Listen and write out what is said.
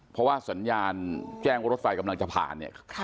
เพราะว่าสัญญาณแจ้งว่ารถไฟกำลังจะผ่านเนี่ย